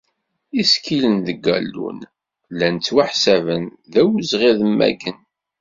Isiklen deg allun llan ttwaḥsaben d awezɣi ad mmagen.